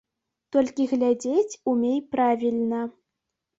Толькі глядзець умей правільна.